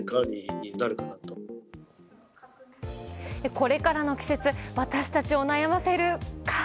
これからの季節私たちを悩ませる蚊。